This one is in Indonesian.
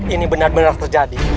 ini benar benar terjadi